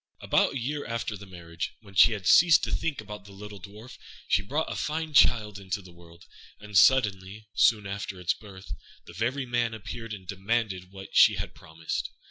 About a year after the marriage, when she had ceased to think about the little Dwarf, she brought a fine child into the world; and, suddenly, soon after its birth, the very man appeared and demanded what she had promised.